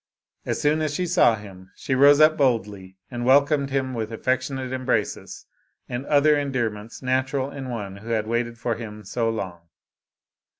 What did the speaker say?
As soon as she saw him, she rose up boldly, and welcomed him with affectionate embraces and other endearments natural in one who had waited for him so long.